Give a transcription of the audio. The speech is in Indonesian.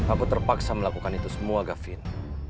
aku terpaksa melakukan itu semua gavin